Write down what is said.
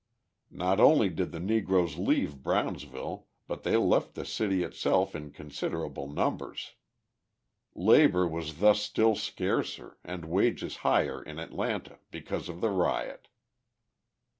Not only did the Negroes leave Brownsville, but they left the city itself in considerable numbers. Labour was thus still scarcer and wages higher in Atlanta because of the riot.